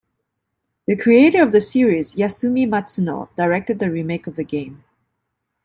The creator of the series, Yasumi Matsuno, directed the remake of the game.